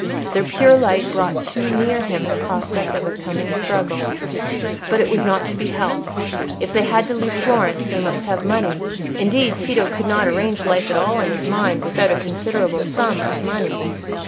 Their pure light brought too near him the prospect of a coming struggle. But it was not to be helped; if they had to leave Florence, they must have money; indeed, Tito could not arrange life at all to his mind without a considerable sum of money.